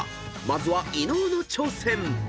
［まずは伊野尾の挑戦］